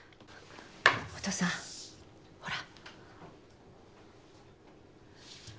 お父さんほら。